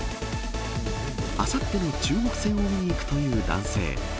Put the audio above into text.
あさっての中国戦を見に行くという男性。